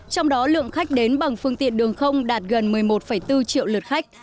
trong đó lượng khách đến bằng phương tiện đường không đạt gần một mươi một bốn triệu lượt khách